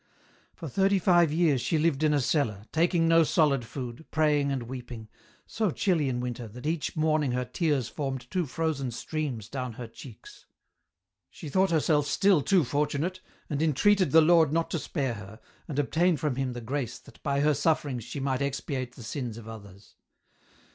" For thirty five years she lived in a cellar, taking no solid food, praying and weeping, so chilly in winter, that each morning her tears formed two frozen streams down her cheeks. " She thought herself still too fortunate, and entreated the Lord not to spare her, and obtained from Him the grace that by her sufferings she might expiate the sins of others.